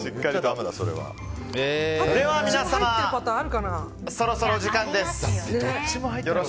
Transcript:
では皆様、そろそろ時間です。